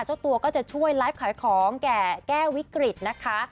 เจ้าตัวก็จะช่วยไลฟ์ขายของแก่แก้วิกฤตนะคะ